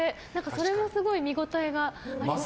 それもすごい見応えがありました。